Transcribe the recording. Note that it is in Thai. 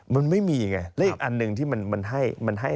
มันไม่มีไงและอีกอันหนึ่งที่มันให้มันให้